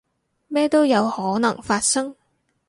咩都有可能發生